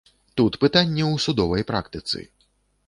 Тут пытанне ў судовай практыцы.